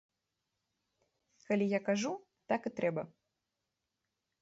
Калі я кажу, так і трэба.